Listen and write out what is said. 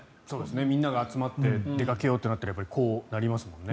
みんなが集まって出かけようとすればすぐこうなりますもんね。